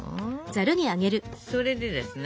それでですね